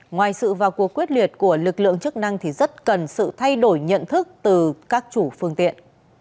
ngoài sự vào cuộc quyết liệt của lực lượng chức năng thì rất cần sự thay đổi nhận thức từ các chủ phương tiện